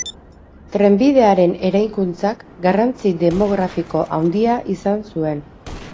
Trenbidearen eraikuntzak garrantzi demografiko handia izan zuen.